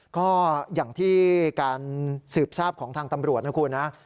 ก็อย่างที่การสืบทราบของทางตำรวจนะคุณนะ